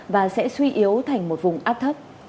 và sẽ suy yếu thành một vùng áp thấp